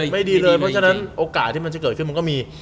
เพราะฉะนั้นโอกาสที่มันจะเกิดขึ้นมันก็มี